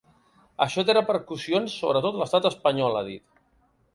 Això té repercussions sobre tot l’estat espanyol, ha dit.